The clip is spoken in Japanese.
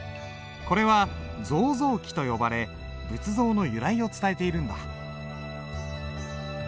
これは造像記と呼ばれ仏像の由来を伝えているんだ。